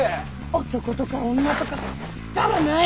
男とか女とかくだらない！